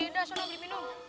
udah soalnya beli minum